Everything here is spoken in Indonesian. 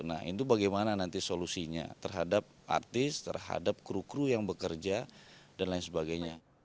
nah itu bagaimana nanti solusinya terhadap artis terhadap kru kru yang bekerja dan lain sebagainya